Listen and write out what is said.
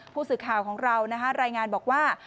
ผู้สื่อข่าวของเรารายงานบอกว่า